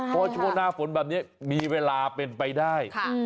เพราะช่วงหน้าฝนแบบนี้มีเวลาเป็นไปได้